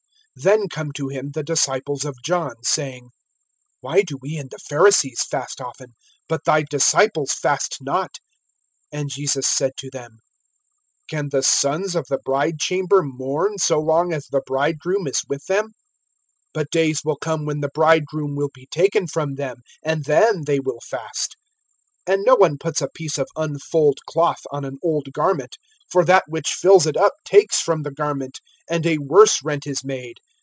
(14)Then come to him the disciples of John, saying: Why do we and the Pharisees fast often, but thy disciples fast not? (15)And Jesus said to them: Can the sons of the bridechamber mourn[9:15], so long as the bridegroom is with them? But days will come when the bridegroom will be taken from them, and then they will fast. (16)And no one puts a piece of unfulled cloth on an old garment; for that which fills it up takes from the garment, and a worse rent is made.